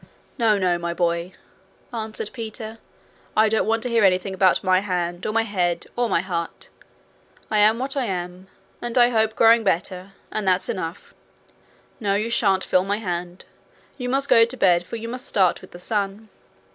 'No, no, my boy,' answered Peter. 'I don't want to hear anything about my hand or my head or my heart. I am what I am, and I hope growing better, and that's enough. No, you shan't feel my hand. You must go to bed, for you must start with the sun.'